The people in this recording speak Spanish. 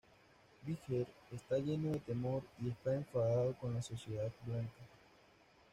Bigger está lleno de temor y está enfadado con la sociedad blanca.